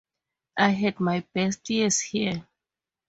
I had my best years here.